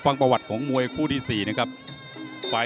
เป็นชาวจังหวัดน่าคอปภม